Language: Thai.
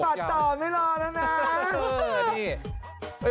โอ้โหสะบัดต่อไม่รอดแล้วนะ